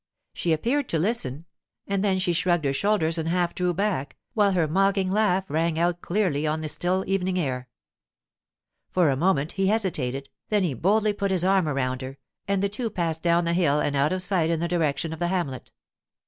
She appeared to listen, and then she shrugged her shoulders and half drew back, while her mocking laugh rang out clearly on the still evening air. For a moment he hesitated, then he boldly put his arm around her, and the two passed down the hill and out of sight in the direction of the hamlet.